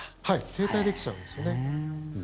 停滞できちゃうんですよね。